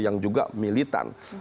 yang juga militan